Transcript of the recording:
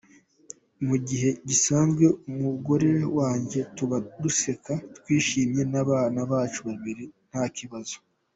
Mu gihe gisanzwe umugore wanjye tuba duseka twishimanye n’abana bacu babiri, nta kibazo.